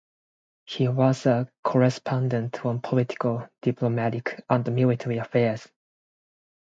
He was a correspondent on political, diplomatic and military affairs.